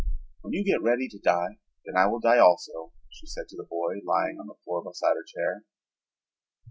"When you get ready to die then I will die also," she said to the boy lying on the floor beside her chair.